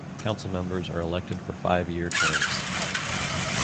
Council members are elected for five year terms.